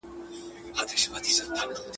ښایسته د پاچا لور وم پر طالب مینه سومه.